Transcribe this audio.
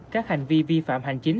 các hành vi vi phạm hành chính